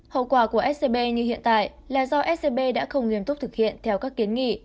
hậu quả của scb như hiện tại là do scb đã không nghiêm túc thực hiện theo các kiến nghị